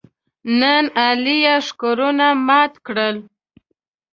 نن علي یې ښکرونه مات کړل.